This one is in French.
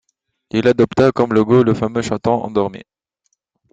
Il adopta comme logo le fameux chaton endormi.